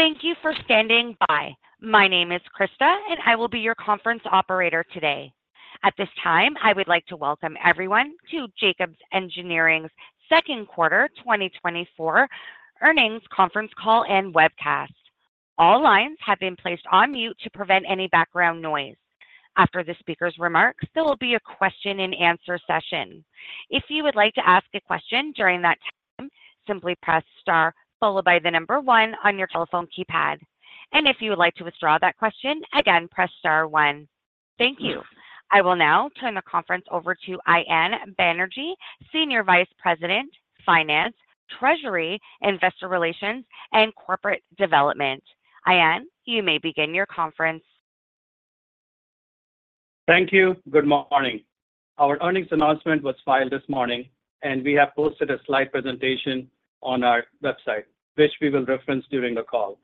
Thank you for standing by. My name is Krista, and I will be your conference operator today. At this time, I would like to welcome everyone to Jacobs' Q2 2024 earnings conference call and webcast. All lines have been placed on mute to prevent any background noise. After the speaker's remarks, there will be a question and answer session. If you would like to ask a question during that time, simply press Star followed by the number 1 on your telephone keypad. And if you would like to withdraw that question, again, press Star 1. Thank you. I will now turn the conference over to Ayan Banerjee, Senior Vice President, Finance, Treasury, Investor Relations, and Corporate Development. Ian, you may begin your conference. Thank you. Good morning. Our earnings announcement was filed this morning, and we have posted a slide presentation on our website, which we will reference during the call.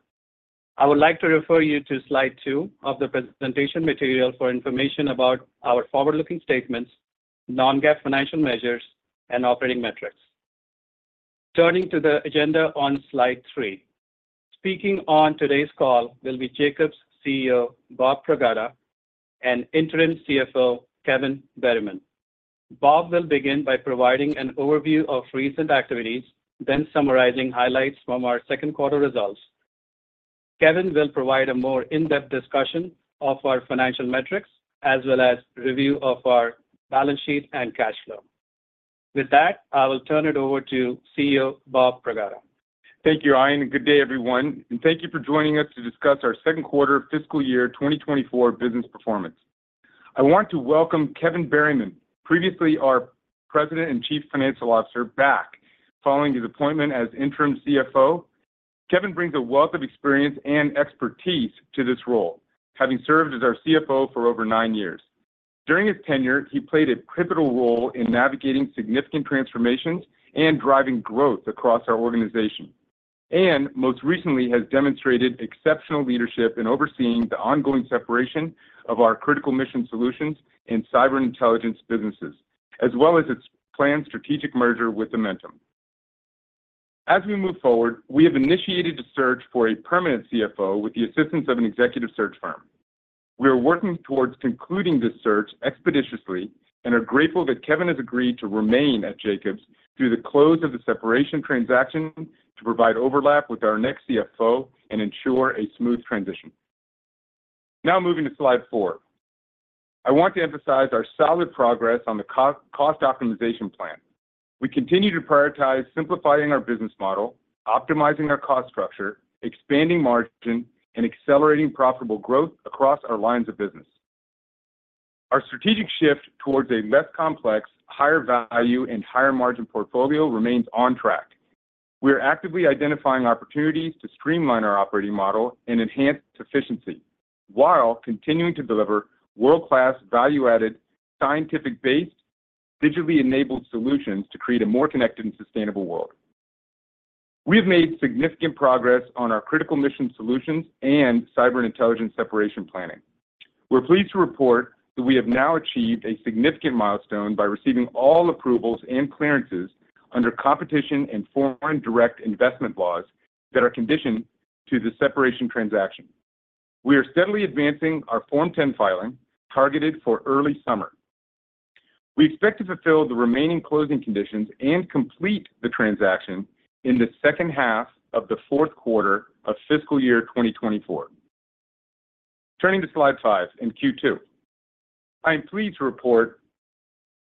I would like to refer you to slide two of the presentation material for information about our forward-looking statements, non-GAAP financial measures, and operating metrics. Turning to the agenda on slide three. Speaking on today's call will be Jacobs CEO, Bob Pragada, and Interim CFO, Kevin Berryman. Bob will begin by providing an overview of recent activities, then summarizing highlights from our Q2 results. Kevin will provide a more in-depth discussion of our financial metrics, as well as review of our balance sheet and cash flow. With that, I will turn it over to CEO, Bob Pragada. Thank you, Ian, and good day, everyone, and thank you for joining us to discuss our Q2 fiscal year 2024 business performance. I want to welcome Kevin Berryman, previously our President and Chief Financial Officer, back following his appointment as Interim CFO. Kevin brings a wealth of experience and expertise to this role, having served as our CFO for over 9 years. During his tenure, he played a pivotal role in navigating significant transformations and driving growth across our organization, and most recently has demonstrated exceptional leadership in overseeing the ongoing separation of our Critical Mission Solutions and cyber intelligence businesses, as well as its planned strategic merger with Amentum. As we move forward, we have initiated a search for a permanent CFO with the assistance of an executive search firm. We are working towards concluding this search expeditiously and are grateful that Kevin has agreed to remain at Jacobs through the close of the separation transaction to provide overlap with our next CFO and ensure a smooth transition. Now, moving to slide 4. I want to emphasize our solid progress on the cost optimization plan. We continue to prioritize simplifying our business model, optimizing our cost structure, expanding margin, and accelerating profitable growth across our lines of business. Our strategic shift towards a less complex, higher value, and higher margin portfolio remains on track. We are actively identifying opportunities to streamline our operating model and enhance efficiency, while continuing to deliver world-class, value-added, scientific-based, digitally enabled solutions to create a more connected and sustainable world. We have made significant progress on our Critical Mission Solutions and cyber intelligence separation planning. We're pleased to report that we have now achieved a significant milestone by receiving all approvals and clearances under competition and foreign direct investment laws that are conditioned to the separation transaction. We are steadily advancing our Form 10 filing, targeted for early summer. We expect to fulfill the remaining closing conditions and complete the transaction in the second half of the fourth quarter of fiscal year 2024. Turning to slide five in Q2. I am pleased to report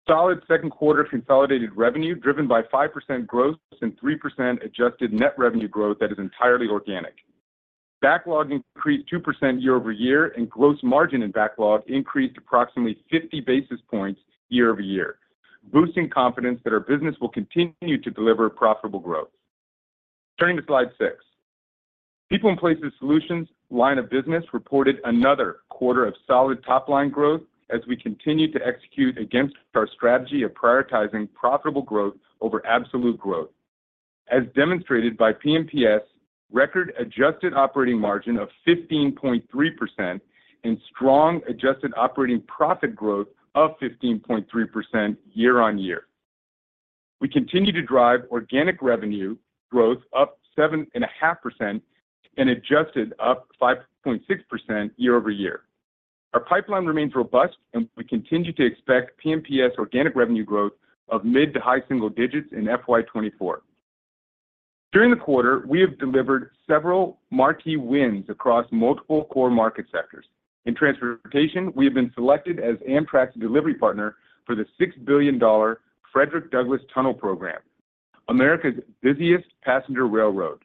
solid Q2 consolidated revenue, driven by 5% growth and 3% adjusted net revenue growth that is entirely organic. Backlog increased 2% quarter-over-quarter, and gross margin in backlog increased approximately 50 basis points quarter-over-quarter, boosting confidence that our business will continue to deliver profitable growth. Turning to slide six. People and Places Solutions line of business reported another quarter of solid top-line growth as we continued to execute against our strategy of prioritizing profitable growth over absolute growth, as demonstrated by P&PS' record adjusted operating margin of 15.3% and strong adjusted operating profit growth of 15.3% quarter-over-quarter. We continue to drive organic revenue growth up 7.5% and adjusted up 5.6% quarter-over-quarter. Our pipeline remains robust, and we continue to expect P&PS organic revenue growth of mid- to high-single-digits in FY 2024. During the quarter, we have delivered several marquee wins across multiple core market sectors. In transportation, we have been selected as Amtrak's delivery partner for the $6 billion Frederick Douglass Tunnel program, America's busiest passenger railroad,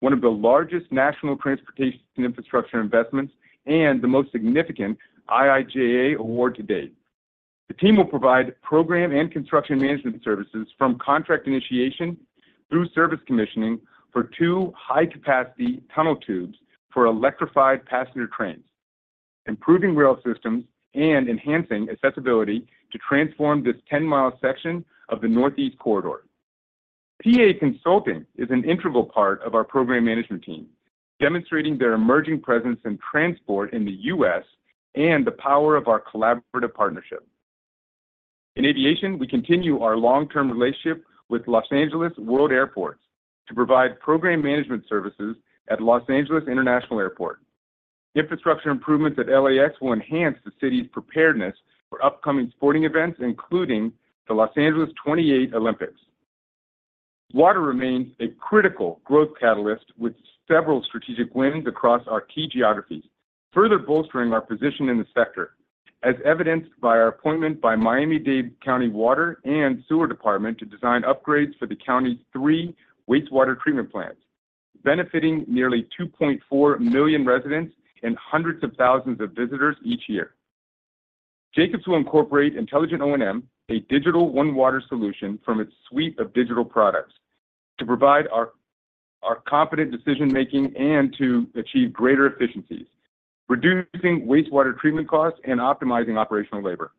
one of the largest national transportation infrastructure investments and the most significant IIJA award to date. The team will provide program and construction management services from contract initiation through service commissioning for two high-capacity tunnel tubes for electrified passenger trains, improving rail systems and enhancing accessibility to transform this 10-mile section of the Northeast Corridor. PA Consulting is an integral part of our program management team, demonstrating their emerging presence in transport in the U.S. and the power of our collaborative partnership. In aviation, we continue our long-term relationship with Los Angeles World Airports to provide program management services at Los Angeles International Airport. Infrastructure improvements at LAX will enhance the city's preparedness for upcoming sporting events, including the Los Angeles '28 Olympics. Water remains a critical growth catalyst, with several strategic wins across our key geographies, further bolstering our position in the sector, as evidenced by our appointment by Miami-Dade Water and Sewer Department to design upgrades for the county's three wastewater treatment plants, benefiting nearly 2.4 million residents and hundreds of thousands of visitors each year. Jacobs will incorporate Intelligent O&M, a digital OneWater solution from its suite of digital products, to provide our competent decision-making and to achieve greater efficiencies, reducing wastewater treatment costs and optimizing operational labor.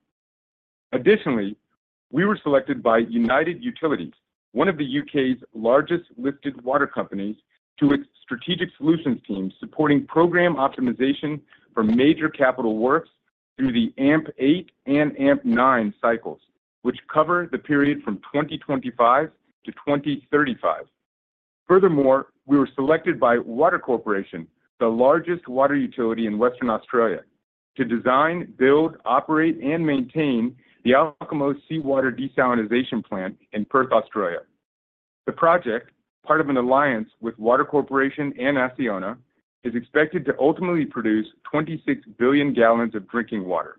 Additionally, we were selected by United Utilities, one of the U.K.'s largest listed water companies, to its strategic solutions team, supporting program optimization for major capital works through the AMP8 and AMP9 cycles, which cover the period from 2025 to 2035. Furthermore, we were selected by Water Corporation, the largest water utility in Western Australia, to design, build, operate, and maintain the Alkimos Seawater Desalination Plant in Perth, Australia. The project, part of an alliance with Water Corporation and Acciona, is expected to ultimately produce 26 billion gallons of drinking water.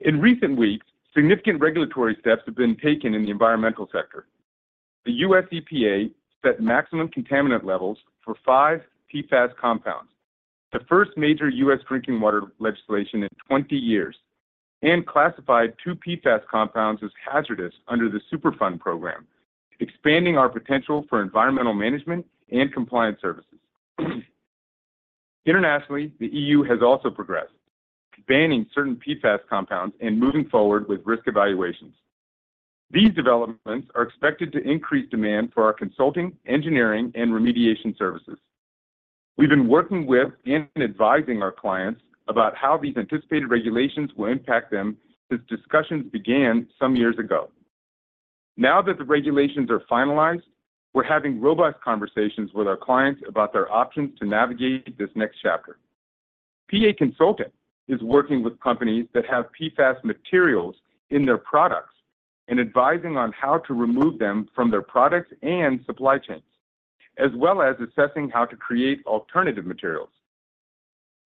In recent weeks, significant regulatory steps have been taken in the environmental sector. The USEPA set maximum contaminant levels for 5 PFAS compounds, the first major US drinking water legislation in 20 years, and classified 2 PFAS compounds as hazardous under the Superfund program, expanding our potential for environmental management and compliance services. Internationally, the EU has also progressed, banning certain PFAS compounds and moving forward with risk evaluations. These developments are expected to increase demand for our consulting, engineering, and remediation services. We've been working with and advising our clients about how these anticipated regulations will impact them, since discussions began some years ago. Now that the regulations are finalized, we're having robust conversations with our clients about their options to navigate this next chapter. PA Consulting is working with companies that have PFAS materials in their products and advising on how to remove them from their products and supply chains, as well as assessing how to create alternative materials.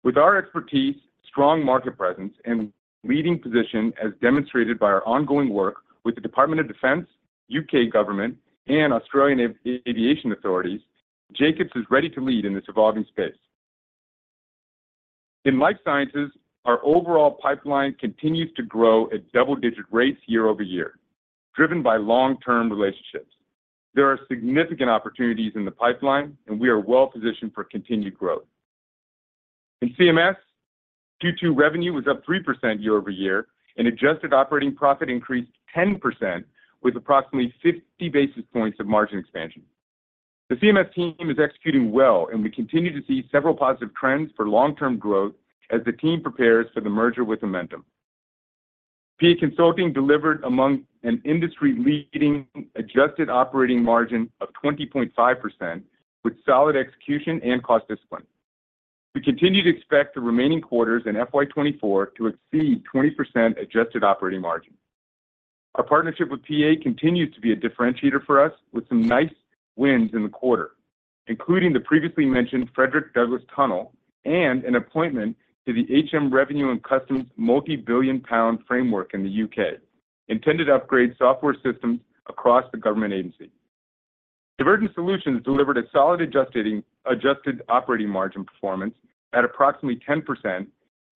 With our expertise, strong market presence, and leading position, as demonstrated by our ongoing work with the Department of Defense, UK government, and Australian Aviation authorities, Jacobs is ready to lead in this evolving space. In life sciences, our overall pipeline continues to grow at double-digit rates quarter-over-quarter, driven by long-term relationships. There are significant opportunities in the pipeline, and we are well positioned for continued growth. In CMS, Q2 revenue was up 3% quarter-over-quarter, and adjusted operating profit increased 10%, with approximately 50 basis points of margin expansion. The CMS team is executing well, and we continue to see several positive trends for long-term growth as the team prepares for the merger with Amentum. PA Consulting delivered among an industry-leading adjusted operating margin of 20.5%, with solid execution and cost discipline. We continue to expect the remaining quarters in FY 2024 to exceed 20% adjusted operating margin. Our partnership with PA continues to be a differentiator for us, with some nice wins in the quarter, including the previously mentioned Frederick Douglass Tunnel and an appointment to the HM Revenue and Customs multi-billion GBP framework in the U.K., intended to upgrade software systems across the government agency. Divergent Solutions delivered a solid adjusted operating margin performance at approximately 10%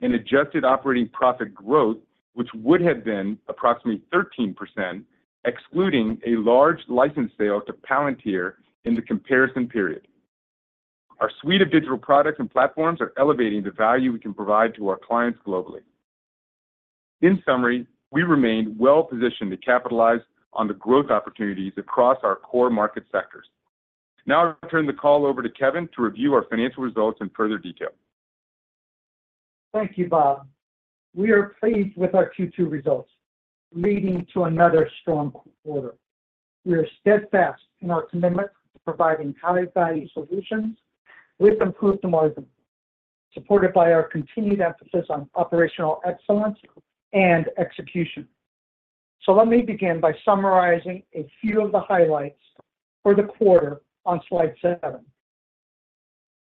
and adjusted operating profit growth, which would have been approximately 13%, excluding a large license sale to Palantir in the comparison period. Our suite of digital products and platforms are elevating the value we can provide to our clients globally. In summary, we remain well positioned to capitalize on the growth opportunities across our core market sectors. Now I turn the call over to Kevin to review our financial results in further detail. Thank you, Bob. We are pleased with our Q2 results, leading to another strong quarter. We are steadfast in our commitment to providing high-value solutions with improved margin, supported by our continued emphasis on operational excellence and execution. So let me begin by summarizing a few of the highlights for the quarter on slide 7.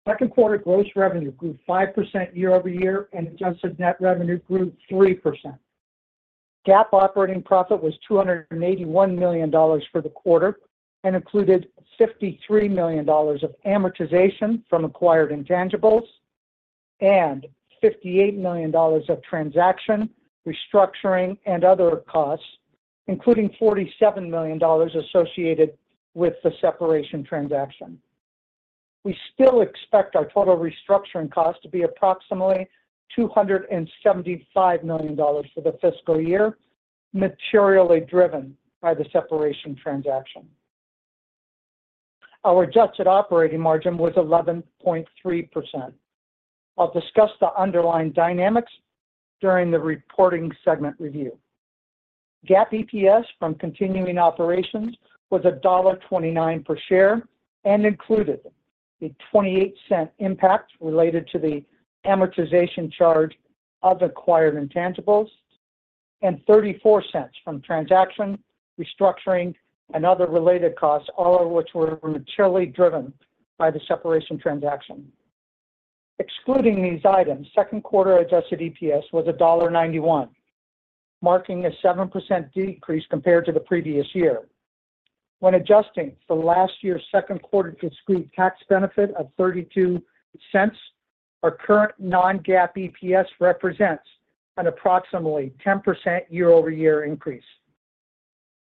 Second quarter gross revenue grew 5% quarter-over-quarter, and adjusted net revenue grew 3%. GAAP operating profit was $281 million for the quarter and included $53 million of amortization from acquired intangibles and $58 million of transaction, restructuring, and other costs, including $47 million associated with the separation transaction. We still expect our total restructuring costs to be approximately $275 million for the fiscal year, materially driven by the separation transaction.... Our adjusted operating margin was 11.3%. I'll discuss the underlying dynamics during the reporting segment review. GAAP EPS from continuing operations was $1.29 per share and included a $0.28 impact related to the amortization charge of acquired intangibles, and $0.34 from transaction, restructuring, and other related costs, all of which were materially driven by the separation transaction. Excluding these items, Q2-adjusted EPS was $1.91, marking a 7% decrease compared to the previous year. When adjusting for last year's Q2 discrete tax benefit of $0.32, our current non-GAAP EPS represents an approximately 10% quarter-over-quarter increase.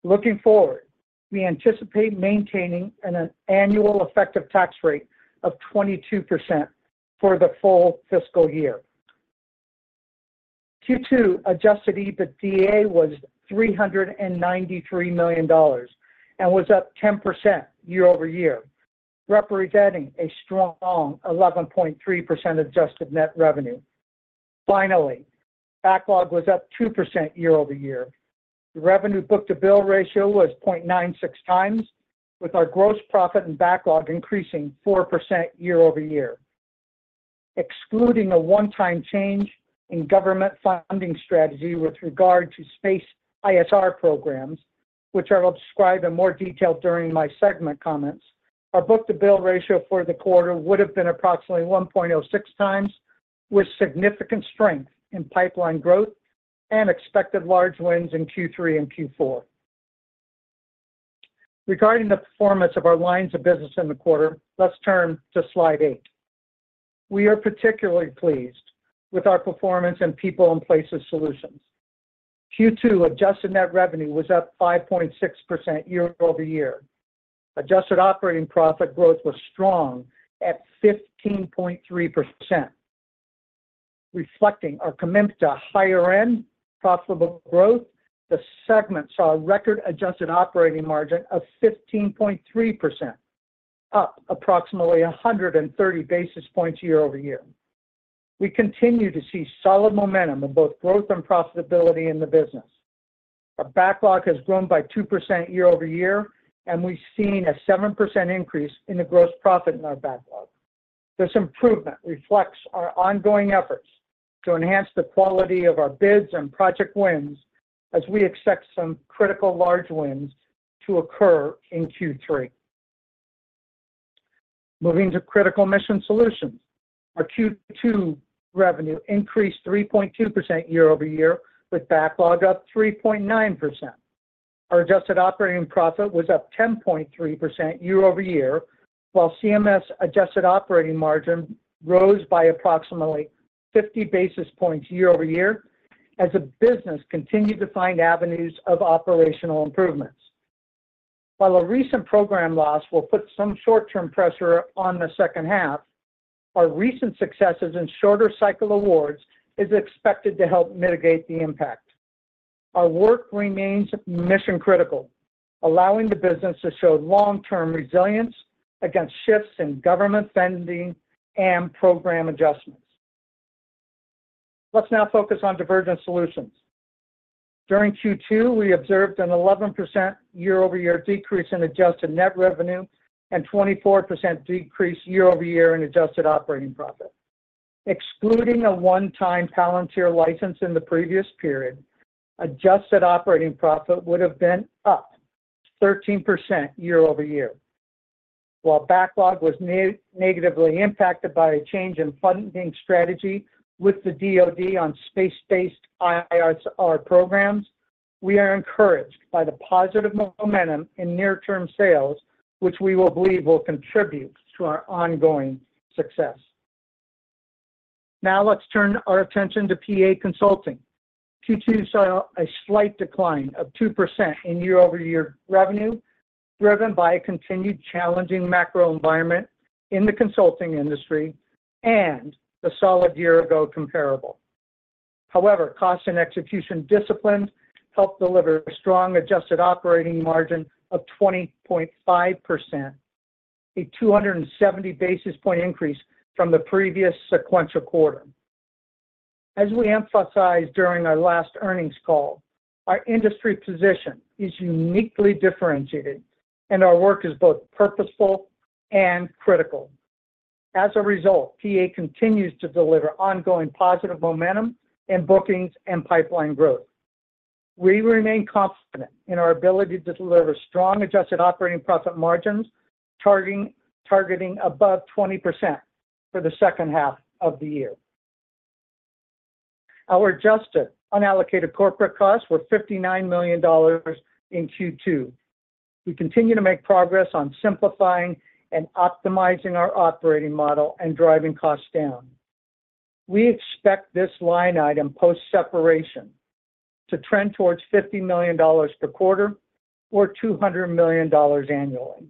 Looking forward, we anticipate maintaining an annual effective tax rate of 22% for the full fiscal year. Q2 adjusted EBITDA was $393 million and was up 10% quarter-over-quarter, representing a strong 11.3% adjusted net revenue. Finally, backlog was up 2% quarter-over-quarter. The revenue book-to-bill ratio was 0.96 times, with our gross profit and backlog increasing 4% quarter-over-quarter. Excluding a one-time change in government funding strategy with regard to space ISR programs, which I will describe in more detail during my segment comments, our book-to-bill ratio for the quarter would have been approximately 1.06 times, with significant strength in pipeline growth and expected large wins in Q3 and Q4. Regarding the performance of our lines of business in the quarter, let's turn to slide 8. We are particularly pleased with our performance and People and Places Solutions. Q2 adjusted net revenue was up 5.6% quarter-over-quarter. Adjusted operating profit growth was strong at 15.3%, reflecting our commitment to higher-end profitable growth. The segment saw a record-adjusted operating margin of 15.3%, up approximately 130 basis points quarter-over-quarter. We continue to see solid momentum in both growth and profitability in the business. Our backlog has grown by 2% quarter-over-quarter, and we've seen a 7% increase in the gross profit in our backlog. This improvement reflects our ongoing efforts to enhance the quality of our bids and project wins as we expect some critical large wins to occur in Q3. Moving to Critical Mission Solutions. Our Q2 revenue increased 3.2% quarter-over-quarter, with backlog up 3.9%. Our adjusted operating profit was up 10.3% quarter-over-quarter, while CMS adjusted operating margin rose by approximately 50 basis points quarter-over-quarter as the business continued to find avenues of operational improvements. While a recent program loss will put some short-term pressure on the H2, our recent successes in shorter cycle awards is expected to help mitigate the impact. Our work remains mission-critical, allowing the business to show long-term resilience against shifts in government spending and program adjustments. Let's now focus on Divergent Solutions. During Q2, we observed an 11% quarter-over-quarter decrease in adjusted net revenue and 24% decrease quarter-over-quarter in adjusted operating profit. Excluding a one-time Palantir license in the previous period, adjusted operating profit would have been up 13% quarter-over-quarter. While backlog was negatively impacted by a change in funding strategy with the DoD on space-based ISR programs, we are encouraged by the positive momentum in near-term sales, which we will believe will contribute to our ongoing success. Now, let's turn our attention to PA Consulting. Q2 saw a slight decline of 2% in quarter-over-quarter revenue, driven by a continued challenging macro environment in the consulting industry and a solid year-ago comparable. However, cost and execution discipline helped deliver a strong adjusted operating margin of 20.5%, a 270 basis point increase from the previous sequential quarter. As we emphasized during our last earnings call, our industry position is uniquely differentiated, and our work is both purposeful and critical. As a result, PA continues to deliver ongoing positive momentum in bookings and pipeline growth. We remain confident in our ability to deliver strong adjusted operating profit margins, targeting above 20% for the H2 of the year. Our adjusted unallocated corporate costs were $59 million in Q2. We continue to make progress on simplifying and optimizing our operating model and driving costs down. We expect this line item, post-separation, to trend towards $50 million per quarter or $200 million annually.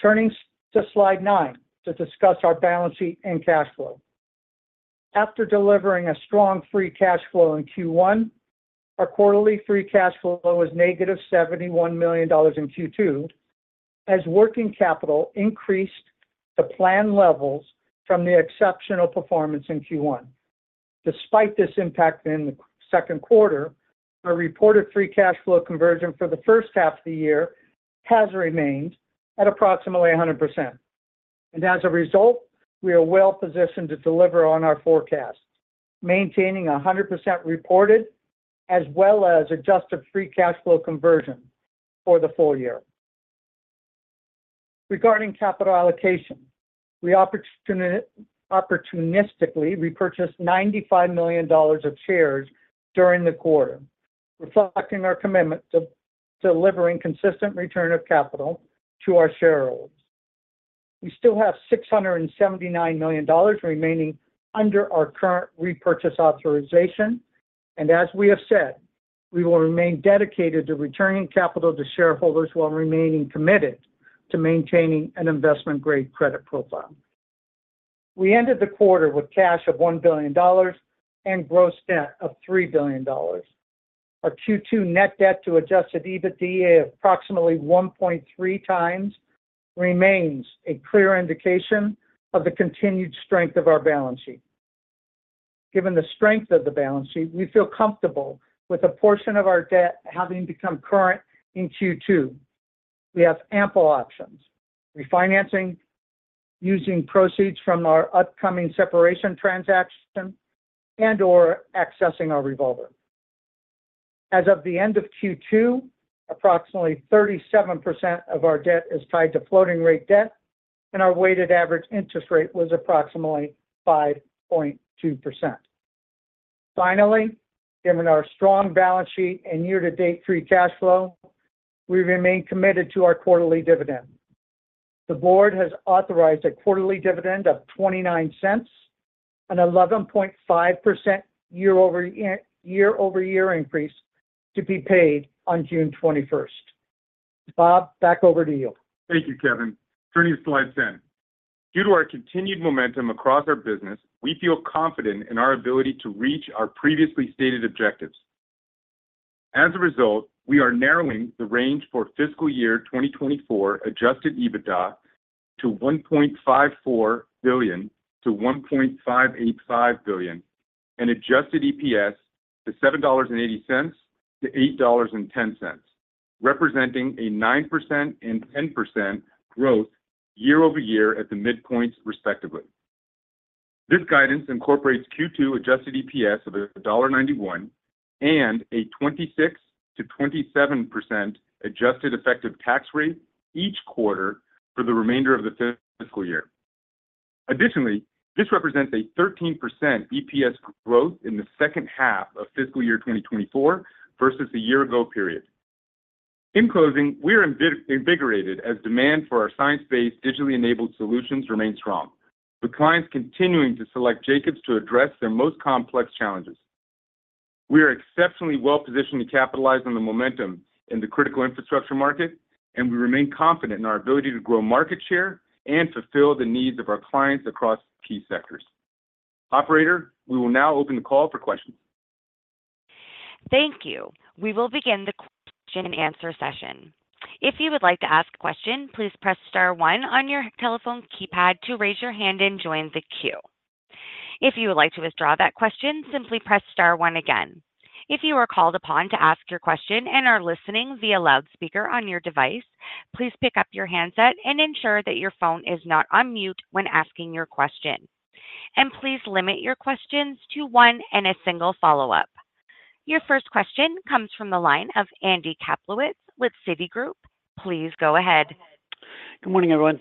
Turning to slide 9 to discuss our balance sheet and cash flow. After delivering a strong free cash flow in Q1, our quarterly free cash flow was -$71 million in Q2, as working capital increased to plan levels from the exceptional performance in Q1. Despite this impact in the Q2, our reported free cash flow conversion for the H1 of the year has remained at approximately 100%. And as a result, we are well positioned to deliver on our forecast, maintaining 100% reported, as well as adjusted free cash flow conversion for the full year. Regarding capital allocation, we opportunistically repurchased $95 million of shares during the quarter, reflecting our commitment to delivering consistent return of capital to our shareholders. We still have $679 million remaining under our current repurchase authorization, and as we have said, we will remain dedicated to returning capital to shareholders while remaining committed to maintaining an investment-grade credit profile. We ended the quarter with cash of $1 billion and gross debt of $3 billion. Our Q2 net debt to Adjusted EBITDA of approximately 1.3 times, remains a clear indication of the continued strength of our balance sheet. Given the strength of the balance sheet, we feel comfortable with a portion of our debt having become current in Q2. We have ample options: refinancing, using proceeds from our upcoming separation transaction, and/or accessing our revolver. As of the end of Q2, approximately 37% of our debt is tied to floating-rate debt, and our weighted average interest rate was approximately 5.2%. Finally, given our strong balance sheet and year-to-date free cash flow, we remain committed to our quarterly dividend. The board has authorized a quarterly dividend of $0.29, an 11.5% quarter-over-quarter, quarter-over-quarter increase, to be paid on June 21st. Bob, back over to you. Thank you, Kevin. Turning to slide ten. Due to our continued momentum across our business, we feel confident in our ability to reach our previously stated objectives. As a result, we are narrowing the range for fiscal year 2024 Adjusted EBITDA to $1.54 billion-$1.585 billion, and Adjusted EPS to $7.80-$8.10, representing a 9% and 10% growth quarter-over-quarter at the midpoints, respectively. This guidance incorporates Q2 Adjusted EPS of $1.91 and a 26%-27% Adjusted effective tax rate each quarter for the remainder of the fiscal year. Additionally, this represents a 13% EPS growth in the H2 of fiscal year 2024 versus a year ago period. In closing, we are invigorated as demand for our science-based, digitally enabled solutions remains strong, with clients continuing to select Jacobs to address their most complex challenges. We are exceptionally well positioned to capitalize on the momentum in the critical infrastructure market, and we remain confident in our ability to grow market share and fulfill the needs of our clients across key sectors. Operator, we will now open the call for questions. Thank you. We will begin the question and answer session. If you would like to ask a question, please press star one on your telephone keypad to raise your hand and join the queue. If you would like to withdraw that question, simply press star one again. If you are called upon to ask your question and are listening via loudspeaker on your device, please pick up your handset and ensure that your phone is not on mute when asking your question. And please limit your questions to one and a single follow-up. Your first question comes from the line of Andy Kaplowitz with Citigroup. Please go ahead. Good morning, everyone.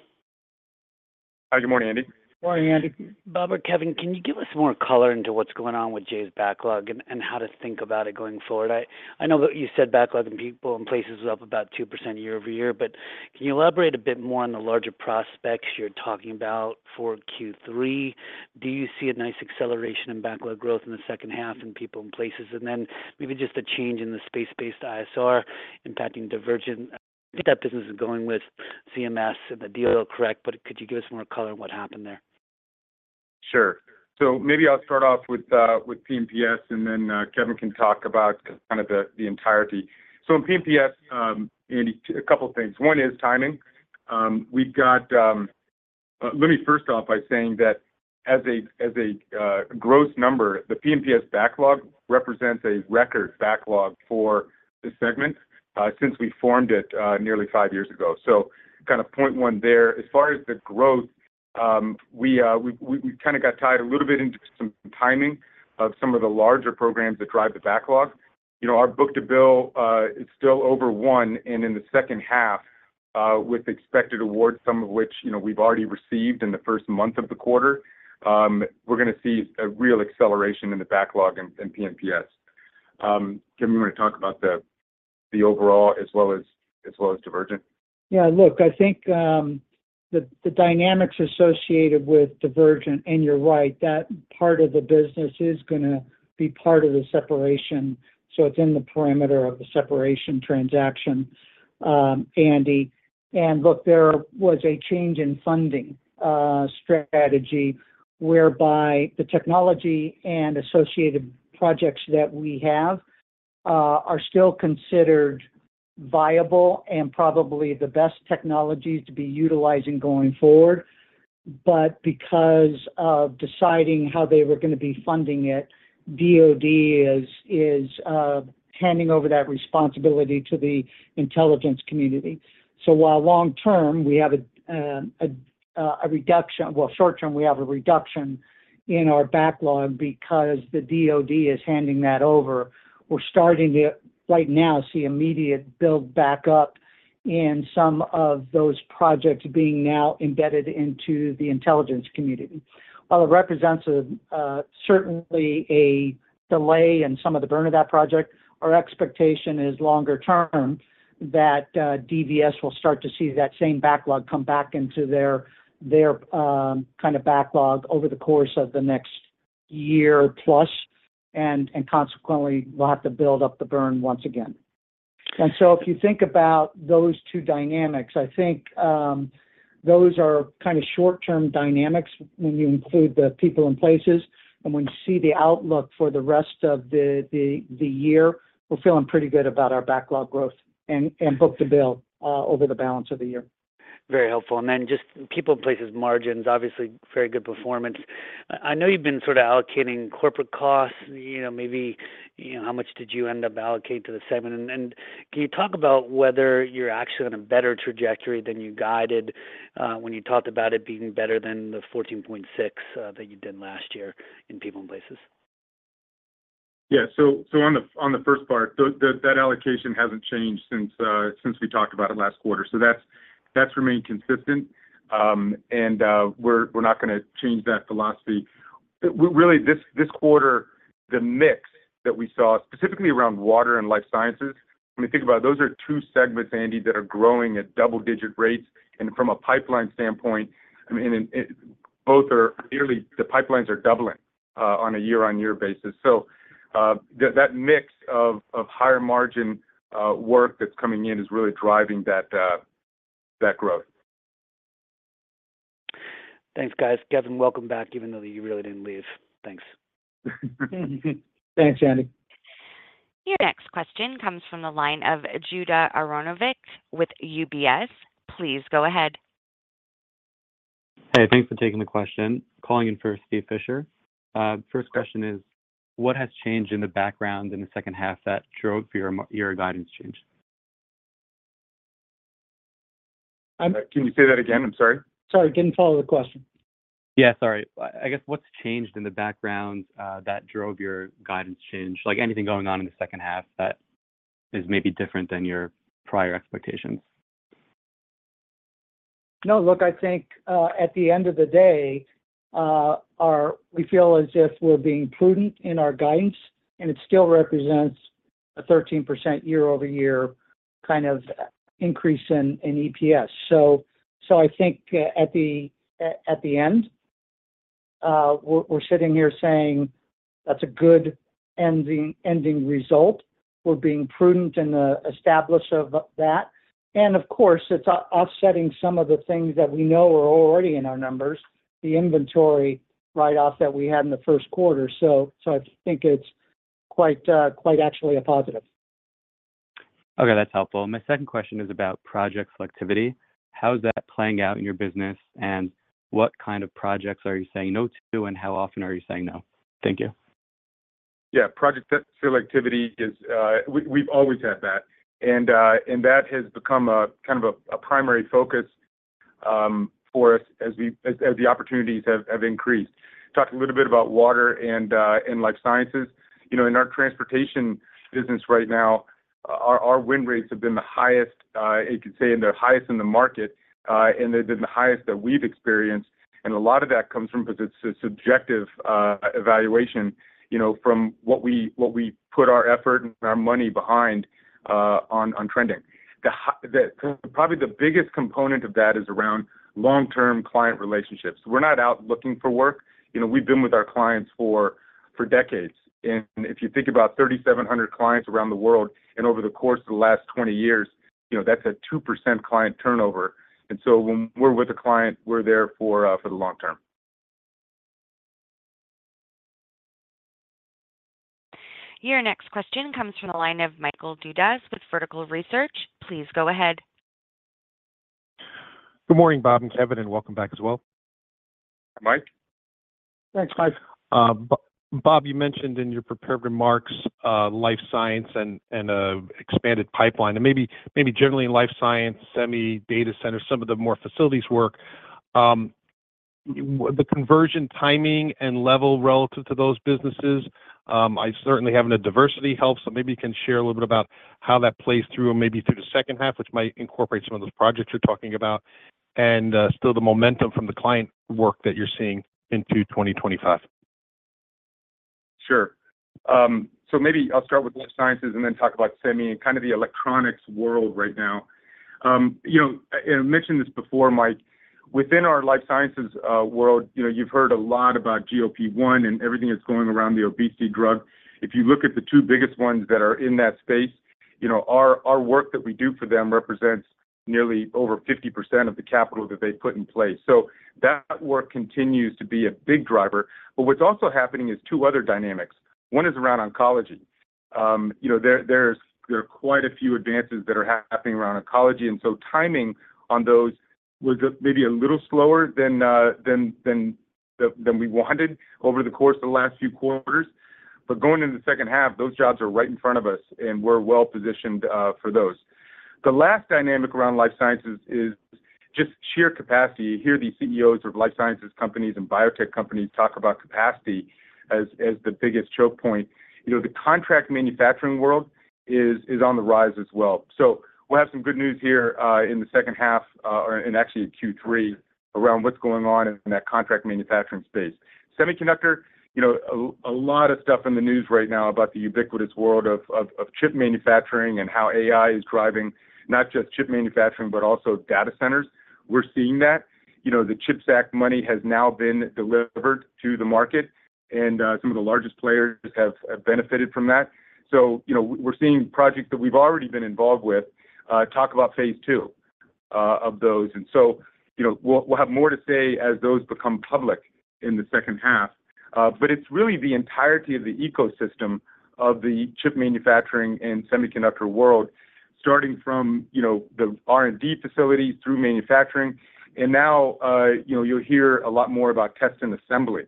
Hi. Good morning, Andy. Morning, Andy. Bob or Kevin, can you give us more color into what's going on with J's backlog and, and how to think about it going forward? I, I know that you said backlog in People and Places is up about 2% quarter-over-quarter, but can you elaborate a bit more on the larger prospects you're talking about for Q3? Do you see a nice acceleration in backlog growth in the H2 in People and Places? And then maybe just the change in the space-based ISR impacting Divergent. I think that business is going with CMS and the DoD, correct? But could you give us more color on what happened there? Sure. So maybe I'll start off with P&PS, and then Kevin can talk about kind of the entirety. So in P&PS, Andy, a couple of things. One is timing. Let me first off by saying that as a gross number, the P&PS backlog represents a record backlog for this segment since we formed it nearly five years ago. So kind of point one there. As far as the growth, we kind of got tied a little bit into some timing of some of the larger programs that drive the backlog. You know, our book-to-bill is still over one, and in the H2, with expected awards, some of which, you know, we've already received in the first month of the quarter, we're gonna see a real acceleration in the backlog in, in P&PS. Kevin, you want to talk about the, the overall as well as, as well as Divergent? Yeah, look, I think the dynamics associated with divergent, and you're right, that part of the business is gonna be part of the separation, so it's in the perimeter of the separation transaction, Andy. And look, there was a change in funding strategy whereby the technology and associated projects that we have are still considered viable and probably the best technologies to be utilizing going forward. But because of deciding how they were gonna be funding it, DoD is handing over that responsibility to the intelligence community. So while long term, we have a reduction. Well, short term, we have a reduction in our backlog because the DoD is handing that over. We're starting to, right now, see immediate build back up in some of those projects being now embedded into the intelligence community. While it represents a certainly a delay in some of the burn of that project, our expectation is longer term, that DVS will start to see that same backlog come back into their their kind of backlog over the course of the next year plus, and consequently, we'll have to build up the burn once again. And so if you think about those two dynamics, I think those are kind of short-term dynamics when you include the people and places. And when you see the outlook for the rest of the the year, we're feeling pretty good about our backlog growth and book-to-bill over the balance of the year. Very helpful. And then just people and places margins, obviously very good performance. I know you've been sort of allocating corporate costs, you know, maybe, you know, how much did you end up allocating to the segment? And, and can you talk about whether you're actually on a better trajectory than you guided, when you talked about it being better than the 14.6% that you did last year in people and places? Yeah. So on the first part, that allocation hasn't changed since we talked about it last quarter, so that's remained consistent. And we're not gonna change that philosophy. Really, this quarter, the mix that we saw, specifically around water and life sciences, when you think about it, those are two segments, Andy, that are growing at double-digit rates. And from a pipeline standpoint, I mean, both are clearly the pipelines are doubling on a year-on-year basis. So that mix of higher margin work that's coming in is really driving that growth. Thanks, guys. Kevin, welcome back, even though you really didn't leave. Thanks. Thanks, Andy. Your next question comes from the line of Judah Sokel with UBS. Please go ahead. Hey, thanks for taking the question. Calling in for Steve Fisher. First question is: What has changed in the background in the H2 that drove your guidance change? Can you say that again? I'm sorry. Sorry, I didn't follow the question. Yeah, sorry. I guess what's changed in the background that drove your guidance change? Like, anything going on in the H2 that is maybe different than your prior expectations? No, look, I think at the end of the day, we feel as if we're being prudent in our guidance, and it still represents a 13% quarter-over-quarter kind of increase in EPS. So I think at the end, we're sitting here saying that's a good ending result. We're being prudent in the establishment of that. And of course, it's offsetting some of the things that we know are already in our numbers, the inventory write-off that we had in the Q1. So I think it's quite actually a positive. Okay, that's helpful. My second question is about project selectivity. How is that playing out in your business, and what kind of projects are you saying no to, and how often are you saying no? Thank you. Yeah, project selectivity is. We, we've always had that, and that has become a kind of a primary focus for us as the opportunities have increased. Talked a little bit about water and life sciences. You know, in our transportation business right now, our win rates have been the highest you could say, and they're highest in the market, and they've been the highest that we've experienced, and a lot of that comes from the subjective evaluation, you know, from what we put our effort and our money behind on trending. The, probably the biggest component of that is around long-term client relationships. We're not out looking for work. You know, we've been with our clients for decades, and if you think about 3,700 clients around the world, and over the course of the last 20 years, you know, that's a 2% client turnover. And so when we're with a client, we're there for the long term. Your next question comes from the line of Michael Dudas with Vertical Research. Please go ahead. Good morning, Bob and Kevin, and welcome back as well. Mike. Thanks, Mike. Bob, you mentioned in your prepared remarks, life sciences and expanded pipeline, and maybe generally in life sciences, semi, data center, some of the more facilities work. The conversion timing and level relative to those businesses, I certainly having a diversity help, so maybe you can share a little bit about how that plays through and maybe through the H2, which might incorporate some of those projects you're talking about, and still the momentum from the client work that you're seeing into 2025. Sure. So maybe I'll start with life sciences and then talk about semi and kind of the electronics world right now. You know, I mentioned this before, Mike, within our life sciences world, you know, you've heard a lot about GLP-1 and everything that's going around the obesity drug. If you look at the two biggest ones that are in that space. You know, our work that we do for them represents nearly over 50% of the capital that they put in place. So that work continues to be a big driver. But what's also happening is two other dynamics. One is around oncology. You know, there are quite a few advances that are happening around oncology, and so timing on those was just maybe a little slower than we wanted over the course of the last few quarters. But going into the H2, those jobs are right in front of us, and we're well-positioned for those. The last dynamic around life sciences is just sheer capacity. You hear these CEOs of life sciences companies and biotech companies talk about capacity as the biggest choke point. You know, the contract manufacturing world is on the rise as well. So we'll have some good news here in the H2, and actually in Q3, around what's going on in that contract manufacturing space. Semiconductor, you know, a lot of stuff in the news right now about the ubiquitous world of chip manufacturing and how AI is driving not just chip manufacturing, but also data centers. We're seeing that. You know, the CHIPS Act money has now been delivered to the market, and some of the largest players have benefited from that. So, you know, we're seeing projects that we've already been involved with talk about phase two of those. And so, you know, we'll have more to say as those become public in the H2. But it's really the entirety of the ecosystem of the chip manufacturing and semiconductor world, starting from, you know, the R&D facilities through manufacturing. And now, you know, you'll hear a lot more about test and assembly,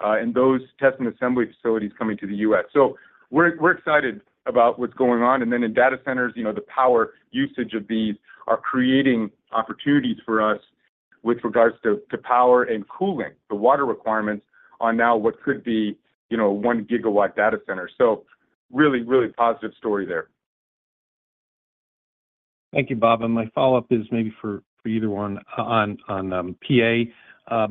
and those test and assembly facilities coming to the U.S. So we're, we're excited about what's going on. And then in data centers, you know, the power usage of these are creating opportunities for us with regards to, to power and cooling. The water requirements on now what could be, you know, 1-gigawatt data center. So really, really positive story there. Thank you, Bob. My follow-up is maybe for either one on PA.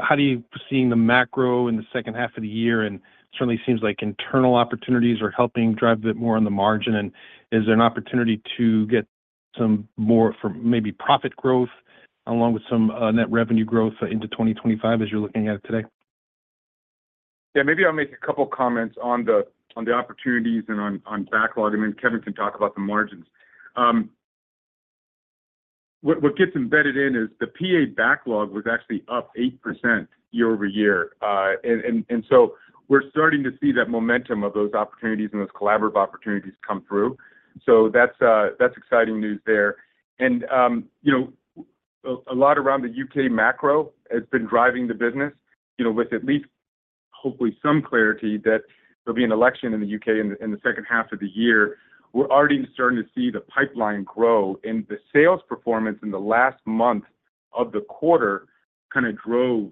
How do you seeing the macro in the H2 of the year? Certainly seems like internal opportunities are helping drive a bit more on the margin. Is there an opportunity to get some more from maybe profit growth along with some net revenue growth into 2025 as you're looking at it today? Yeah, maybe I'll make a couple comments on the opportunities and on backlog, and then Kevin can talk about the margins. What gets embedded in is the PA backlog was actually up 8% quarter-over-quarter. And so we're starting to see that momentum of those opportunities and those collaborative opportunities come through. So that's exciting news there. And you know, a lot around the U.K. macro has been driving the business, you know, with at least hopefully some clarity that there'll be an election in the U.K. in the H2 of the year. We're already starting to see the pipeline grow, and the sales performance in the last month of the quarter kind of drove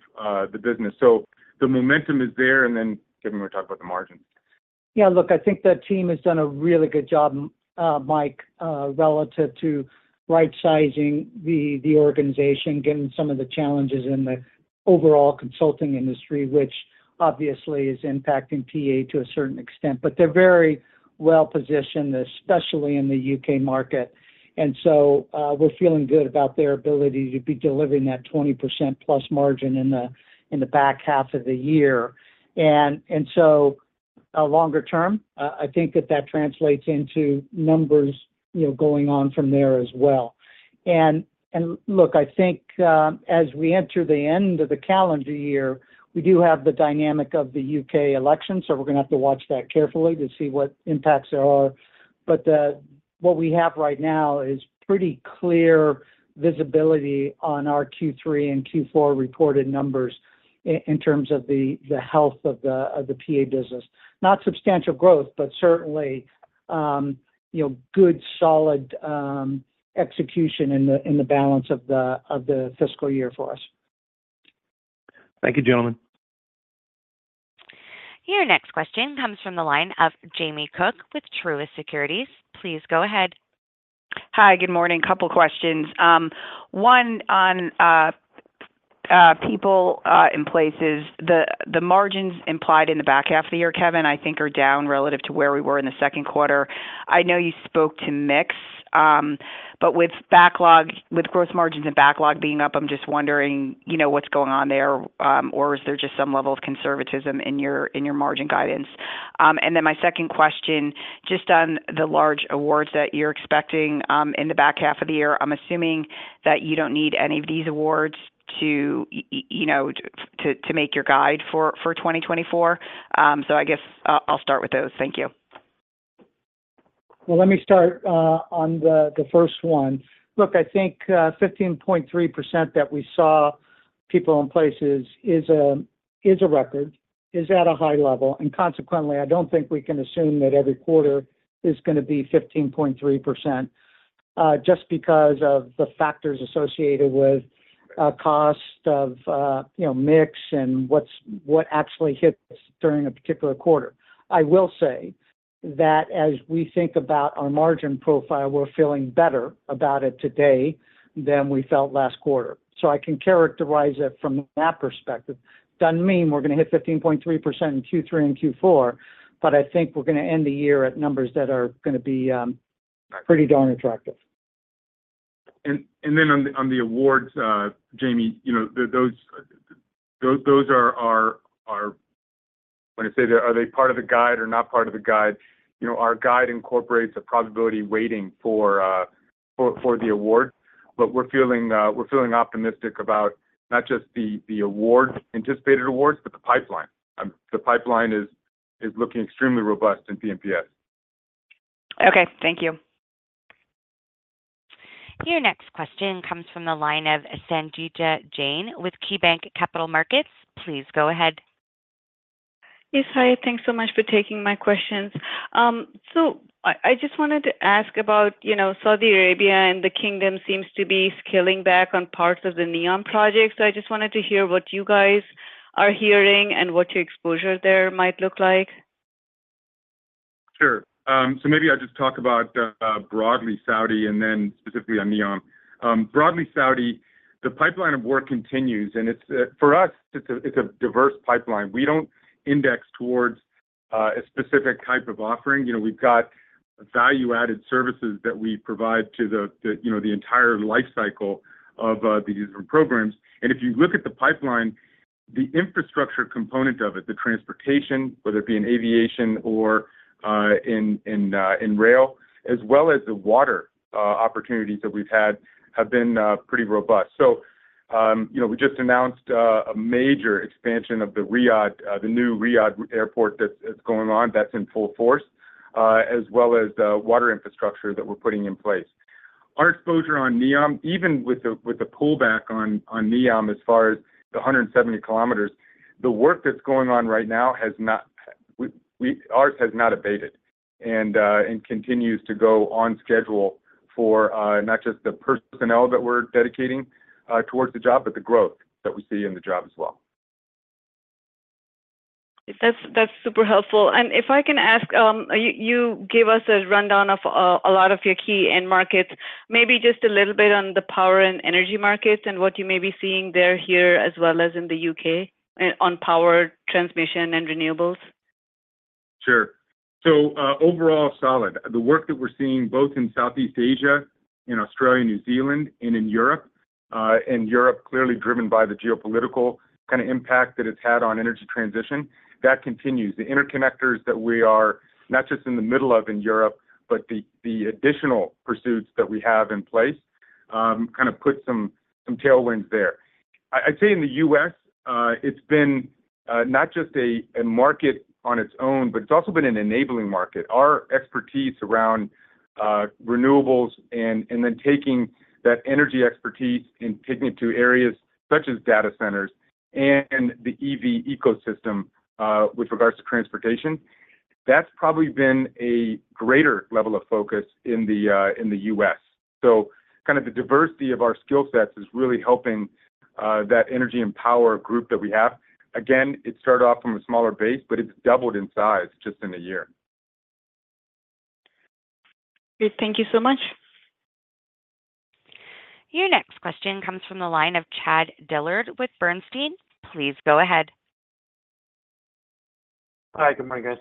the business. So the momentum is there, and then Kevin will talk about the margins. Yeah, look, I think the team has done a really good job, Mike, relative to right-sizing the organization, given some of the challenges in the overall consulting industry, which obviously is impacting PA to a certain extent. But they're very well-positioned, especially in the U.K. market. And so, we're feeling good about their ability to be delivering that 20% plus margin in the back half of the year. And so longer term, I think that that translates into numbers, you know, going on from there as well. And look, I think, as we enter the end of the calendar year, we do have the dynamic of the U.K. election, so we're gonna have to watch that carefully to see what impacts there are. But, what we have right now is pretty clear visibility on our Q3 and Q4 reported numbers in terms of the health of the PA business. Not substantial growth, but certainly, you know, good, solid execution in the balance of the fiscal year for us. Thank you, gentlemen. Your next question comes from the line of Jamie Cook with Truist Securities. Please go ahead. Hi, good morning. Couple questions. One on people in places. The, the margins implied in the back half of the year, Kevin, I think are down relative to where we were in the Q2. I know you spoke to mix, but with backlog—with gross margins and backlog being up, I'm just wondering, you know, what's going on there, or is there just some level of conservatism in your, in your margin guidance? And then my second question, just on the large awards that you're expecting, in the back half of the year, I'm assuming that you don't need any of these awards to, y-y-you know, to, to make your guide for, for 2024. So I'll start with those. Thank you. Well, let me start on the first one. Look, I think fifteen point three percent that we saw people in places is a record, is at a high level, and consequently, I don't think we can assume that every quarter is gonna be fifteen point three percent just because of the factors associated with cost of you know mix and what's what actually hits during a particular quarter. I will say that as we think about our margin profile, we're feeling better about it today than we felt last quarter. So I can characterize it from that perspective. Doesn't mean we're gonna hit fifteen point three percent in Q3 and Q4, but I think we're gonna end the year at numbers that are gonna be pretty darn attractive.... And then on the awards, Jamie, you know, those are, when I say, are they part of the guide or not part of the guide? You know, our guide incorporates a probability waiting for the award, but we're feeling optimistic about not just the anticipated awards, but the pipeline. The pipeline is looking extremely robust in P&PS. Okay, thank you. Your next question comes from the line of Sangita Jain with KeyBanc Capital Markets. Please go ahead. Yes, hi, thanks so much for taking my questions. I just wanted to ask about, you know, Saudi Arabia, and the kingdom seems to be scaling back on parts of the NEOM project. I just wanted to hear what you guys are hearing and what your exposure there might look like. Sure. So maybe I'll just talk about, broadly, Saudi, and then specifically on NEOM. Broadly, Saudi, the pipeline of work continues, and it's, for us, it's a diverse pipeline. We don't index towards, a specific type of offering. You know, we've got value-added services that we provide to the, you know, the entire life cycle of, these different programs. And if you look at the pipeline, the infrastructure component of it, the transportation, whether it be in aviation or, in rail, as well as the water, opportunities that we've had, have been, pretty robust. So, you know, we just announced, a major expansion of the Riyadh, the new Riyadh airport that's, that's going on, that's in full force, as well as the water infrastructure that we're putting in place. Our exposure on NEOM, even with the pullback on NEOM, as far as the 170 kilometers, the work that's going on right now has not abated. And continues to go on schedule for not just the personnel that we're dedicating towards the job, but the growth that we see in the job as well. That's, that's super helpful. And if I can ask, you, you gave us a rundown of a lot of your key end markets. Maybe just a little bit on the power and energy markets and what you may be seeing there, here, as well as in the UK, on power transmission and renewables. Sure. So, overall, solid. The work that we're seeing, both in Southeast Asia, in Australia, New Zealand, and in Europe, and Europe, clearly driven by the geopolitical kind of impact that it's had on energy transition, that continues. The interconnectors that we are not just in the middle of in Europe, but the additional pursuits that we have in place, kind of put some tailwinds there. I'd say in the US, it's been not just a market on its own, but it's also been an enabling market. Our expertise around renewables and then taking that energy expertise and taking it to areas such as data centers and the EV ecosystem, with regards to transportation, that's probably been a greater level of focus in the US. So kind of the diversity of our skill sets is really helping that energy and power group that we have. Again, it started off from a smaller base, but it's doubled in size just in a year. Great. Thank you so much. Your next question comes from the line of Chad Dillard with Bernstein. Please go ahead. Hi, good morning, guys.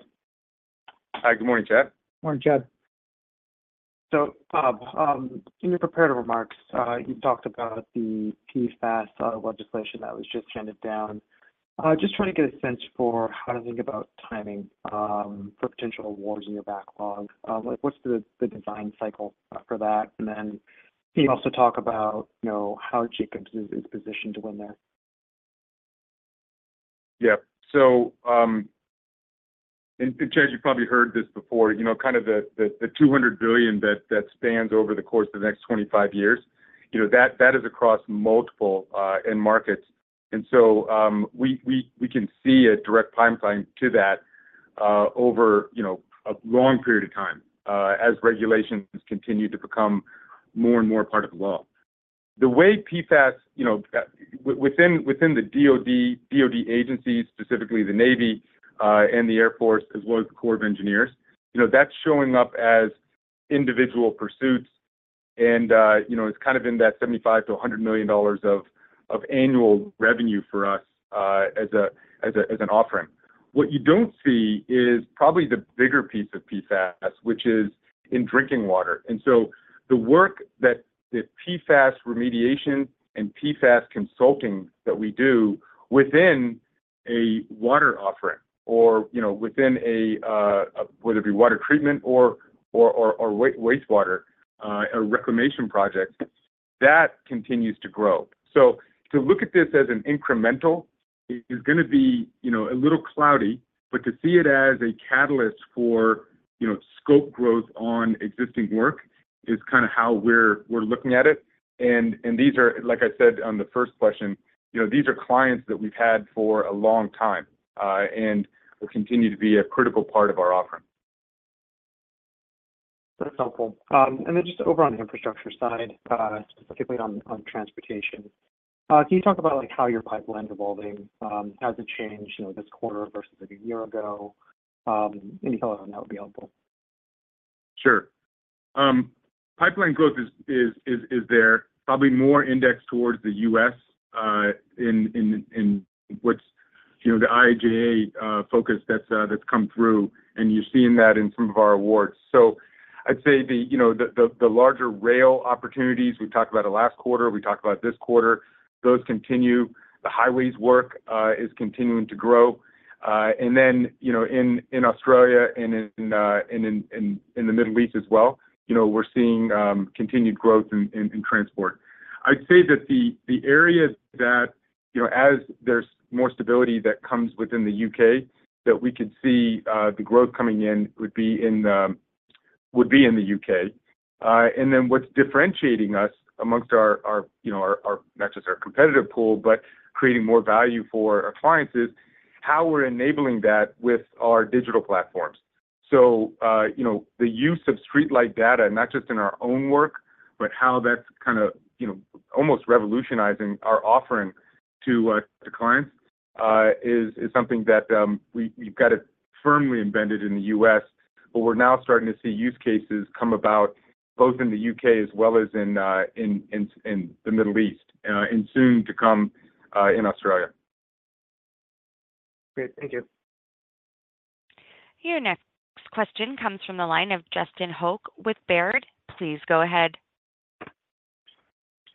Hi, good morning, Chad. Morning, Chad. So, Bob, in your prepared remarks, you talked about the PFAS legislation that was just handed down. Just trying to get a sense for how to think about timing, for potential awards in your backlog. Like, what's the, the design cycle, for that? And then can you also talk about, you know, how Jacobs is, is positioned to win there? Yeah. So, and, Chad, you probably heard this before, you know, kind of the $200 billion that spans over the course of the next 25 years, you know, that is across multiple end markets. And so, we can see a direct pipeline to that, over, you know, a long period of time, as regulations continue to become more and more part of the law. The way PFAS, you know, within the DoD agencies, specifically the Navy, and the Air Force, as well as the Corps of Engineers, you know, that's showing up as individual pursuits. And, you know, it's kind of in that $75 million-$100 million of annual revenue for us, as an offering. What you don't see is probably the bigger piece of PFAS, which is in drinking water. And so the work that the PFAS remediation and PFAS consulting that we do within a water offering or, you know, within a whether it be water treatment or wastewater a reclamation project, that continues to grow. So to look at this as an incremental is gonna be, you know, a little cloudy, but to see it as a catalyst for, you know, scope growth on existing work is kind of how we're looking at it. And these are... Like I said, on the first question, you know, these are clients that we've had for a long time and will continue to be a critical part of our offering. That's helpful. And then just over on the infrastructure side, specifically on transportation, can you talk about, like, how your pipeline is evolving? Has it changed, you know, this quarter versus a year ago? Any color on that would be helpful. Sure. Pipeline growth is there, probably more indexed towards the U.S., in what's—you know, the IIJA focus that's come through, and you're seeing that in some of our awards. So I'd say the, you know, the larger rail opportunities we talked about it last quarter, we talked about this quarter, those continue. The highways work is continuing to grow. And then, you know, in Australia and in the Middle East as well, you know, we're seeing continued growth in transport. I'd say that the areas that, you know, as there's more stability that comes within the U.K., that we could see the growth coming in would be in the U.K. And then what's differentiating us amongst our, you know, our, not just our competitive pool, but creating more value for our clients is, how we're enabling that with our digital platforms. So, you know, the use of StreetLight Data, not just in our own work, but how that's kind of, you know, almost revolutionizing our offering to clients, is something that we've got it firmly embedded in the US, but we're now starting to see use cases come about, both in the UK as well as in the Middle East, and soon to come in Australia. Great. Thank you. Your next question comes from the line of Justin Hauke with Baird. Please go ahead.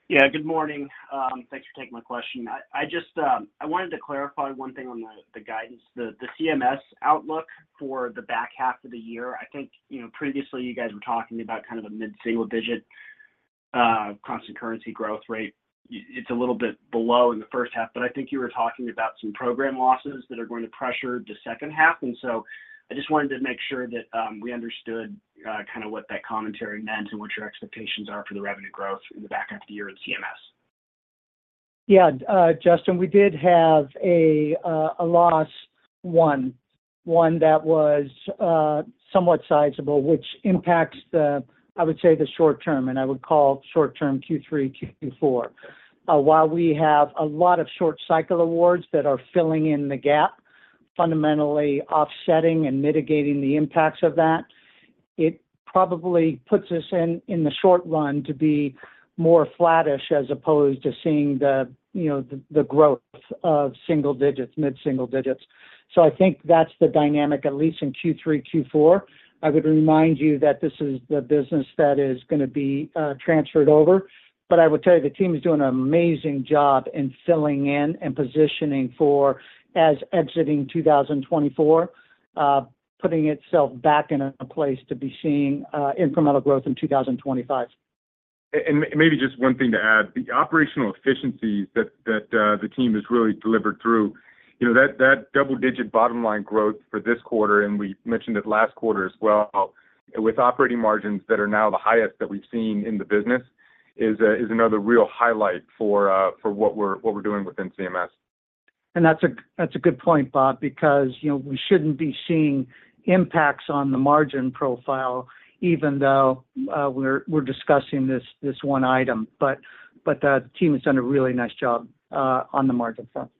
Yeah, good morning. Thanks for taking my question. I just wanted to clarify one thing on the guidance. The CMS outlook for the back half of the year, I think, you know, previously you guys were talking about kind of a mid-single-digit constant currency growth rate. It's a little bit below in the H1, but I think you were talking about some program losses that are going to pressure the H2. And so I just wanted to make sure that we understood kind of what that commentary meant and what your expectations are for the revenue growth in the back half of the year at CMS. Yeah, Justin, we did have a loss, one that was somewhat sizable, which impacts the, I would say, the short term, and I would call short term Q3, Q4. While we have a lot of short cycle awards that are filling in the gap, fundamentally offsetting and mitigating the impacts of that, it probably puts us in the short run to be more flattish as opposed to seeing the, you know, the growth of single digits, mid-single digits. So I think that's the dynamic, at least in Q3, Q4. I would remind you that this is the business that is gonna be transferred over. But I would tell you, the team is doing an amazing job in filling in and positioning for as exiting 2024, putting itself back in a place to be seeing incremental growth in 2025. And maybe just one thing to add, the operational efficiencies that the team has really delivered through, you know, double-digit bottom line growth for this quarter, and we mentioned it last quarter as well, with operating margins that are now the highest that we've seen in the business, is another real highlight for what we're doing within CMS. That's a good point, Bob, because, you know, we shouldn't be seeing impacts on the margin profile, even though we're discussing this one item. But the team has done a really nice job on the margin front.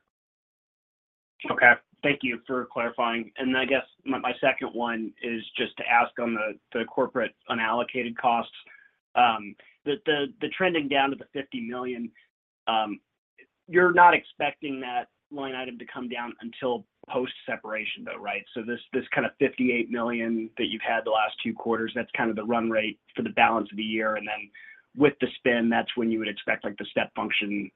Okay. Thank you for clarifying. And I guess my, my second one is just to ask on the, the corporate unallocated costs. The, the trending down to the $50 million, you're not expecting that line item to come down until post-separation, though, right? So this, this kind of $58 million that you've had the last two quarters, that's kind of the run rate for the balance of the year, and then with the spin, that's when you would expect, like, the step function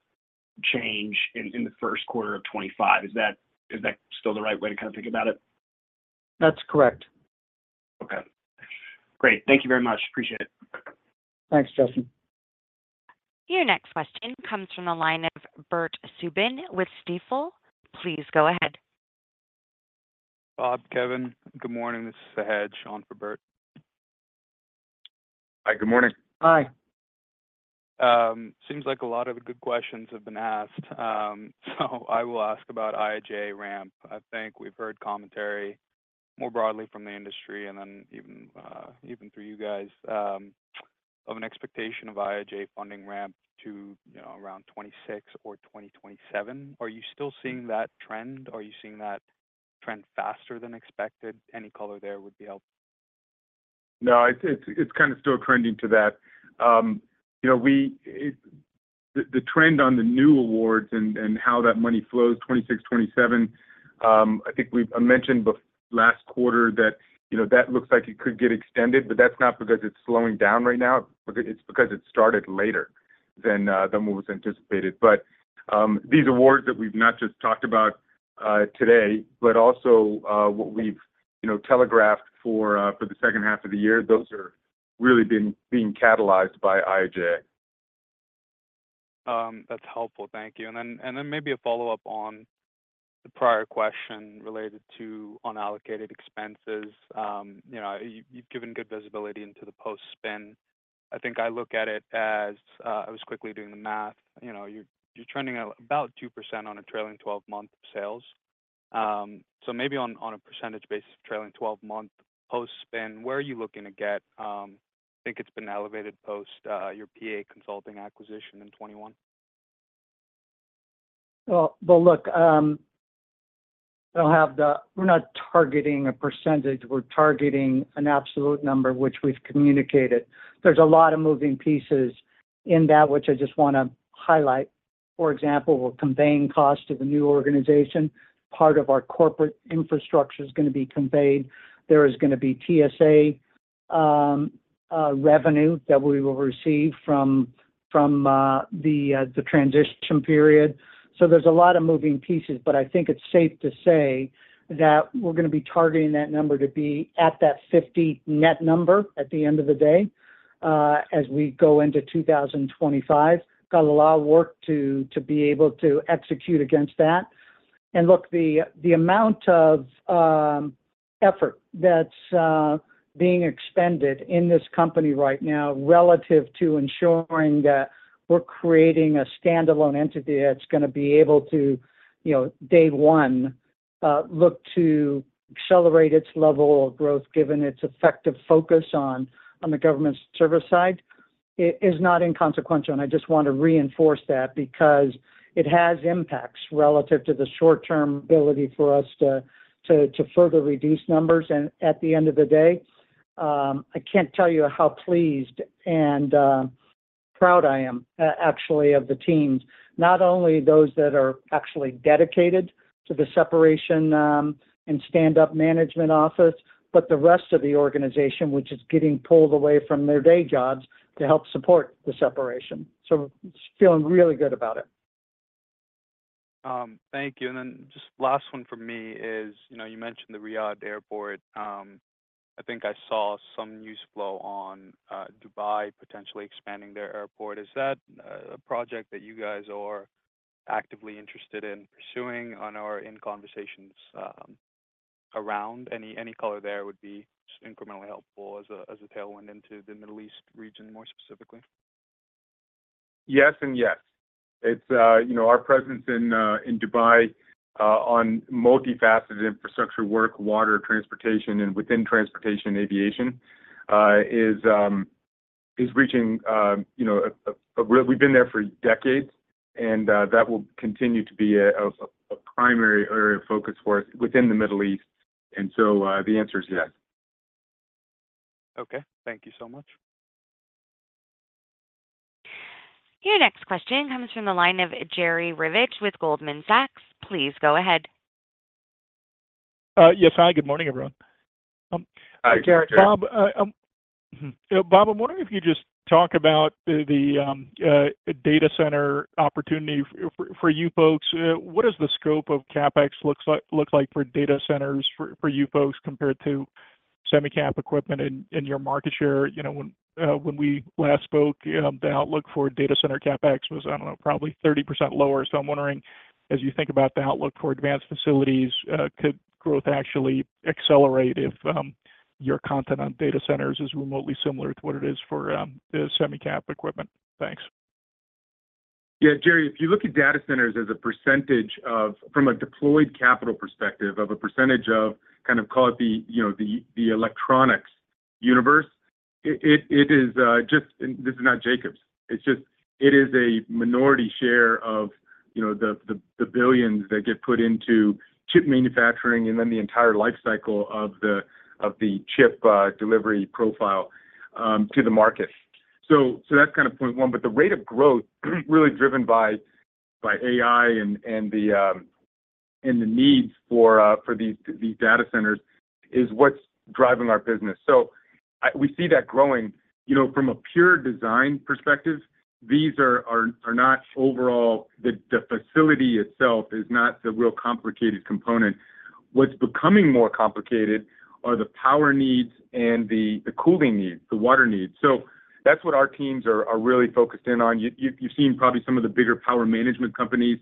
change in, in the Q1 of 2025. Is that, is that still the right way to kind of think about it? That's correct. Okay. Great. Thank you very much. Appreciate it. Thanks, Justin. Your next question comes from the line of Bert Subin with Stifel. Please go ahead. Bob, Kevin, good morning. This is Sean Eastman for Bert. Hi, good morning. Hi. Seems like a lot of the good questions have been asked. I will ask about IJA ramp. I think we've heard commentary more broadly from the industry and then even even through you guys of an expectation of IJA funding ramp to, you know, around 2026 or 2027. Are you still seeing that trend? Are you seeing that trend faster than expected? Any color there would be helpful. No, it's kind of still trending to that. You know, the trend on the new awards and how that money flows, 2026, 2027, I think we've mentioned last quarter that, you know, that looks like it could get extended, but that's not because it's slowing down right now, but it's because it started later than what was anticipated. But, these awards that we've not just talked about today, but also what we've, you know, telegraphed for the H2 of the year, those are really being catalyzed by IIJA. That's helpful. Thank you. And then, and then maybe a follow-up on the prior question related to unallocated expenses. You know, you've given good visibility into the post-spin. I think I look at it as, I was quickly doing the math, you know, you're, you're trending at about 2% on a trailing twelve-month sales. So maybe on, on a percentage basis, trailing twelve-month post-spin, where are you looking to get? I think it's been elevated post, your PA Consulting acquisition in 2021. Well, but look, I'll have the—we're not targeting a percentage, we're targeting an absolute number, which we've communicated. There's a lot of moving pieces in that, which I just want to highlight. For example, we're conveying cost to the new organization. Part of our corporate infrastructure is gonna be conveyed. There is gonna be TSA revenue that we will receive from the transition period. So there's a lot of moving pieces, but I think it's safe to say that we're gonna be targeting that number to be at that $50 net number at the end of the day, as we go into 2025. Got a lot of work to be able to execute against that. And look, the amount of effort that's being expended in this company right now relative to ensuring that we're creating a standalone entity that's gonna be able to, you know, day one look to accelerate its level of growth, given its effective focus on the government service side, is not inconsequential. And I just want to reinforce that because it has impacts relative to the short-term ability for us to further reduce numbers. And at the end of the day, I can't tell you how pleased and proud I am actually of the teams. Not only those that are actually dedicated to the separation and stand-up management office, but the rest of the organization, which is getting pulled away from their day jobs to help support the separation. So just feeling really good about it. Thank you. And then just last one from me is, you know, you mentioned the Riyadh airport. I think I saw some news flow on Dubai potentially expanding their airport. Is that a project that you guys are actively interested in pursuing or in conversations around? Any, any color there would be just incrementally helpful as a, as a tailwind into the Middle East region, more specifically. Yes and yes. It's, you know, our presence in Dubai on multifaceted infrastructure work, water, transportation, and within transportation, aviation, is reaching, you know, we've been there for decades, and that will continue to be a primary area of focus for us within the Middle East. And so, the answer is yes. Okay. Thank you so much. Your next question comes from the line of Jerry Revich with Goldman Sachs. Please go ahead. Yes. Hi, good morning, everyone. Hi, Jerry. Bob, Bob, I'm wondering if you could just talk about the data center opportunity for you folks. What is the scope of CapEx looks like for data centers for you folks, compared to semi cap equipment and your market share? You know, when we last spoke, the outlook for data center CapEx was, I don't know, probably 30% lower. So I'm wondering, as you think about the outlook for advanced facilities, could growth actually accelerate if your content on data centers is remotely similar to what it is for the semi cap equipment? Thanks. Yeah, Jerry, if you look at data centers as a percentage of, from a deployed capital perspective, of a percentage of kind of call it the, you know, the electronics universe, it is just... And this is not Jacobs. It's just, it is a minority share of, you know, the billions that get put into chip manufacturing and then the entire life cycle of the chip delivery profile to the market. So that's kind of point one. But the rate of growth, really driven by AI and the needs for these data centers is what's driving our business. So we see that growing. You know, from a pure design perspective, these are not overall, the facility itself is not the real complicated component. What's becoming more complicated are the power needs and the cooling needs, the water needs. So that's what our teams are really focused in on. You've seen probably some of the bigger power management companies,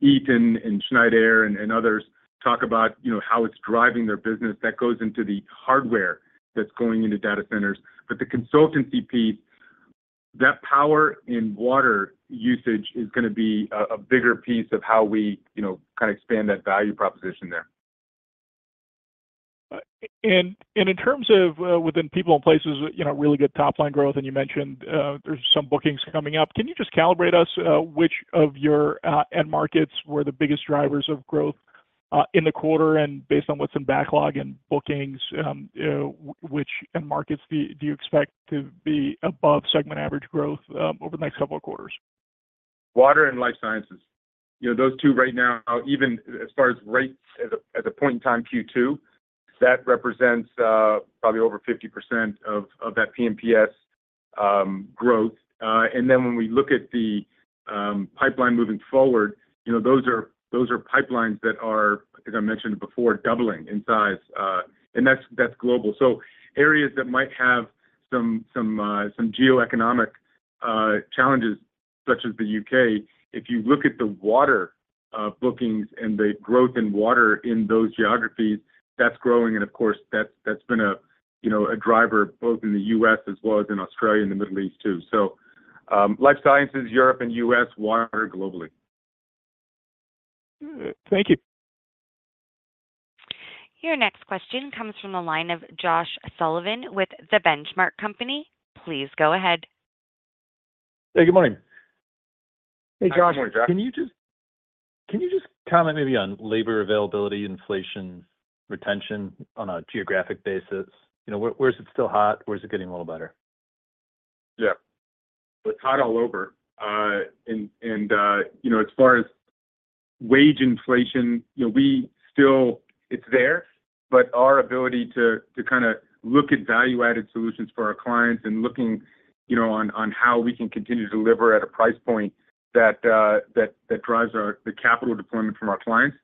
Eaton and Schneider and others talk about, you know, how it's driving their business. That goes into the hardware that's going into data centers. But the consultancy piece, that power and water usage is gonna be a bigger piece of how we, you know, kind of expand that value proposition there. And in terms of within People and Places, you know, really good top-line growth, and you mentioned there's some bookings coming up. Can you just calibrate us, which of your end markets were the biggest drivers of growth in the quarter? And based on what's in backlog and bookings, which end markets do you expect to be above segment average growth over the next couple of quarters? Water and life sciences. You know, those two right now, even as far as rates at a point in time, Q2, that represents probably over 50% of that P&PS growth. And then when we look at the pipeline moving forward, you know, those are those are pipelines that are, as I mentioned before, doubling in size, and that's global. So areas that might have some geo-economic challenges, such as the U.K., if you look at the water bookings and the growth in water in those geographies, that's growing. And of course, that's been a, you know, a driver both in the U.S. as well as in Australia and the Middle East too. So, life sciences, Europe and U.S., water globally. Thank you. Your next question comes from the line of Josh Sullivan with The Benchmark Company. Please go ahead. Hey, good morning.... Hey, Josh, can you just, can you just comment maybe on labor availability, inflation, retention on a geographic basis? You know, where, where is it still hot? Where is it getting a little better? Yeah. It's hot all over. And you know, as far as wage inflation, you know, we still—it's there, but our ability to kinda look at value-added solutions for our clients and looking, you know, on how we can continue to deliver at a price point that drives our, the capital deployment from our clients,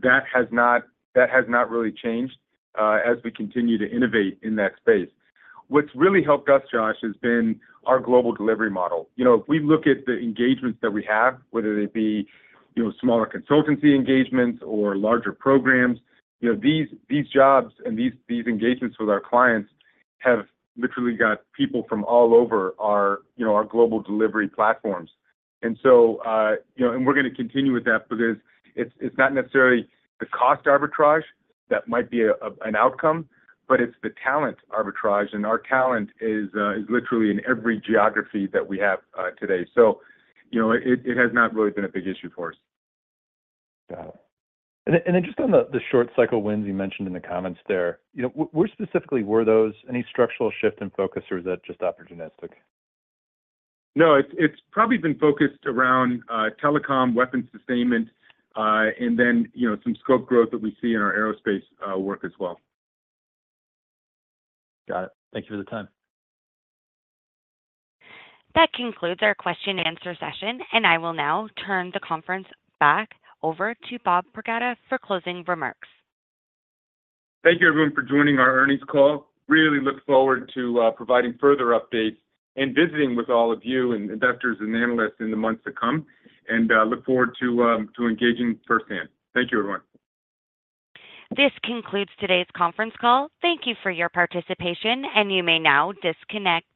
that has not, that has not really changed, as we continue to innovate in that space. What's really helped us, Josh, has been our global delivery model. You know, if we look at the engagements that we have, whether they be, you know, smaller consultancy engagements or larger programs, you know, these jobs and these engagements with our clients have literally got people from all over our, you know, our global delivery platforms. And so, you know, and we're gonna continue with that because it's not necessarily the cost arbitrage that might be an outcome, but it's the talent arbitrage, and our talent is literally in every geography that we have today. So, you know, it has not really been a big issue for us. Got it. And just on the short cycle wins you mentioned in the comments there, you know, where specifically were those? Any structural shift in focus, or is that just opportunistic? No, it's probably been focused around telecom, weapons sustainment, and then, you know, some scope growth that we see in our aerospace work as well. Got it. Thank you for the time. That concludes our question and answer session, and I will now turn the conference back over to Bob Pragada for closing remarks. Thank you, everyone, for joining our earnings call. Really look forward to providing further updates and visiting with all of you, and investors, and analysts in the months to come. Look forward to engaging firsthand. Thank you, everyone. This concludes today's conference call. Thank you for your participation, and you may now disconnect.